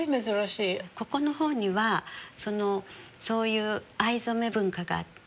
ここの方にはそういう藍染め文化があって。